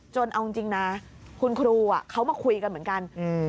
เอาจริงนะคุณครูเขามาคุยกันเหมือนกัน